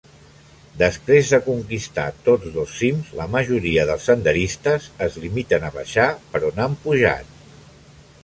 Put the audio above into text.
Després de conquistar tots dos cims, la majoria dels senderistes es limiten a baixar per on han pujat.